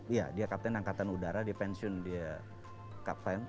iya dia kapten angkatan udara dia pensiun dia kapten